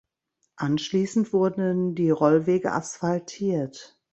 Anschließend wurden die Rollwege asphaltiert.